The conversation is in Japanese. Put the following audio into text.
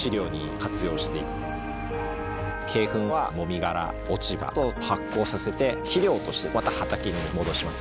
鶏糞はもみ殻落ち葉と発酵させて肥料としてまた畑に戻します。